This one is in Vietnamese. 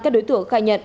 các đối tượng khai nhận